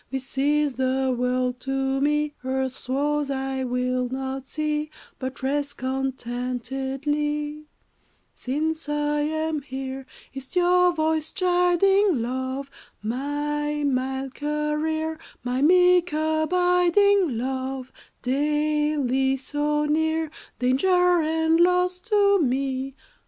This is the world to me, Earth's woes I will not see But rest contentedly Since I am here. Is't your voice chiding, Love, My mild career? My meek abiding, Love, Daily so near? "Danger and loss" to me?